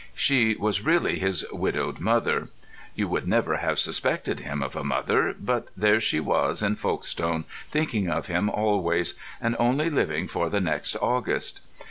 She was really his widowed mother. You would never have suspected him of a mother, but there she was in Folkestone, thinking of him always, and only living for the next August.